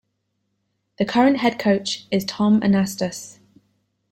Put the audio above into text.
The current head coach is Tom Anastos.